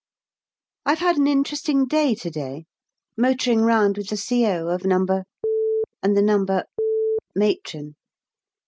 I've had an interesting day to day, motoring round with the C.O. of No. and the No. Matron.